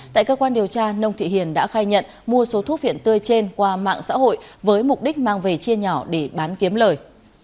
tại cơ quan điều tra nông thị hiền đã khai nhận mua số thuốc phiện tươi trên qua mạng xã hội với mục đích mang về chia nhỏ để bán kiếm lời